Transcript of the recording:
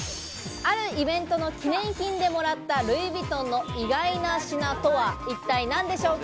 あるイベントの記念品でもらったルイ・ヴィトンの意外な品とは一体何でしょうか？